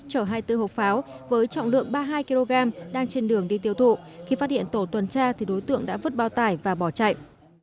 chở hai mươi bốn hộp pháo với trọng lượng ba mươi hai kg đang trên đường đi tiêu thụ khi phát hiện tổ tuần tra thì đối tượng đã vứt bao tải và bỏ chạy